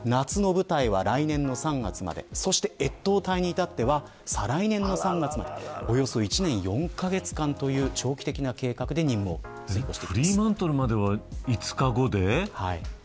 夏の部隊は来年の３月まで越冬隊は再来年の３月までおよそ１年４カ月間という長期的な計画で任務を遂行していきます。